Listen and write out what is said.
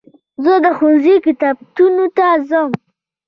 زه د ښوونځي کتابتون ته ځم.